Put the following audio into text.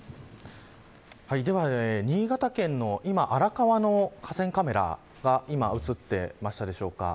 では新潟県の今荒川の河川カメラが映っていましたでしょうか。